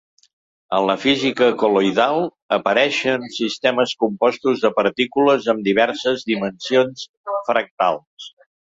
En la física col·loidal, apareixen sistemes compostos de partícules amb diverses dimensions fractals.